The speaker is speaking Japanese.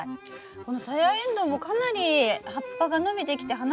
このサヤエンドウもかなり葉っぱが伸びてきて花も咲いて。